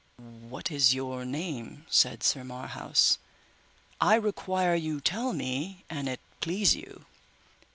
What is your name? said Sir Marhaus; I require you tell me, an it please you.